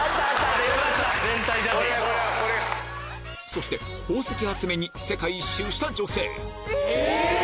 そして宝石集めに世界一周した女性え